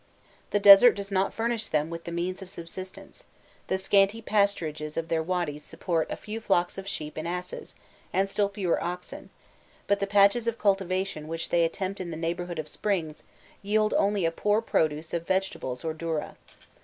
The desert does not furnish them with the means of subsistence: the scanty pasturages of their wadys support a few flocks of sheep and asses, and still fewer oxen, but the patches of cultivation which they attempt in the neighbourhood of springs, yield only a poor produce of vegetables or dourah.